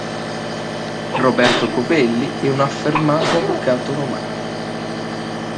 Roberto Covelli è un affermato avvocato romano.